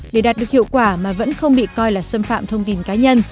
để đạt được hiệu quả mà vẫn không bị coi là xâm phạm thông tin cá nhân